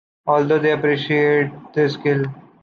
Although they appreciate this skill.